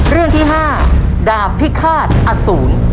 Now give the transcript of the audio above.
เรื่องที่๕ดาบพิฆาตอสูร